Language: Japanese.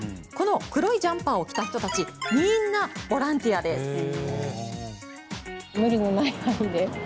この黒いジャンパーを着た人たちはみんなボランティアです。